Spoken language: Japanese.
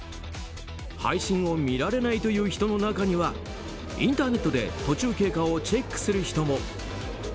配信を見られないという人の中にはインターネットで途中経過をチェックする人も。